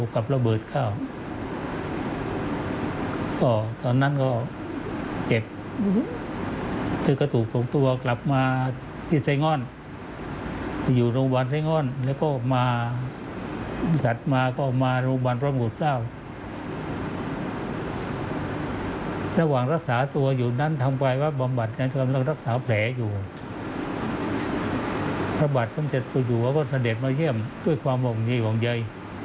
เขาอยู่แล้วก็เสด็จมาเยี่ยมด้วยความห่วงเยี่ยมของเยย